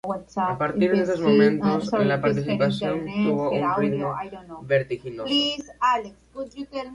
A partir de esos momentos, la participación tuvo un ritmo vertiginoso.